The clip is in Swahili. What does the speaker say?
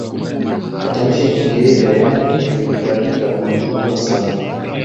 Matamshi ya Kiingereza yaani yalikubalika na kutumiwa sana